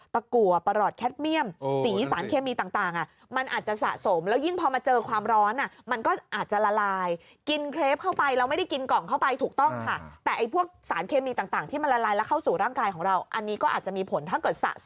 ตะกัวประหลอดแคทเมี่ยมสีสารเคมีต่างอ่ะ